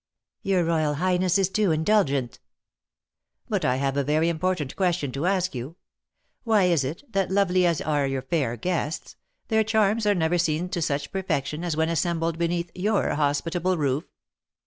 "Your royal highness is too indulgent." "But I have a very important question to ask you: Why is it that, lovely as are your fair guests, their charms are never seen to such perfection as when assembled beneath your hospitable roof?"